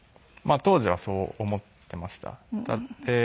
当時はそう思っていました。